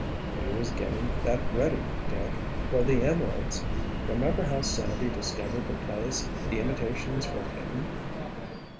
"He was getting that ready, Dick, for the emeralds—remember how Sandy discovered the place the imitations were hidden?"